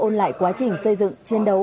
ôn lại quá trình xây dựng chiến đấu